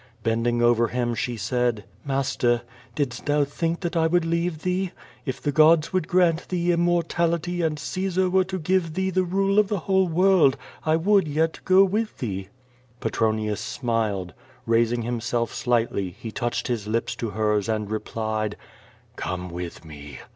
Bend ing over him she said: "Master, didst thou think that I ^ould leave thee? If the gods would grant thee imniortality| and Caesar were to give thee the rule of the whole world, 1 \fould yet go with thee." Petronius smiled. Eaising himself slightly, he touched his lips to hers and replied: "Come with me.